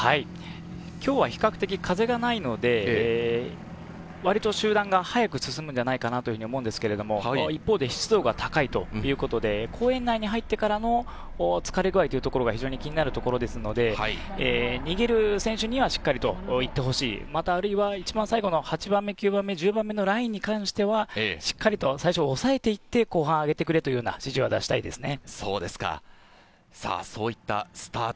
今日は比較的、風がないので、割と集団が早く進むんじゃないかなと思うんですが、一方で湿度が高いということで公園内に入ってからの疲れ具合というところが非常に気になるところですので、逃げる選手にはしっかりと行ってほしい、あるいは最後の８番目、９番目、１０番目に関しては最初、抑えていって後半上げてくれという指示を出したいですね。